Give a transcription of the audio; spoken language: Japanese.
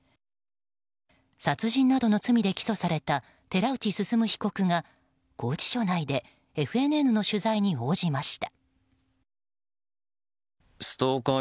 殺人などの罪で起訴された寺内進被告が拘置所内でＦＮＮの取材に応じました。